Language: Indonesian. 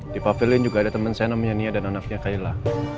di pavilin juga ada temen saya namanya nia dan anaknya kaila